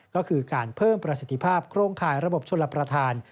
ก็คือการเพิ่มประสิทธิภาพโครงข่ายระบบชลประธาน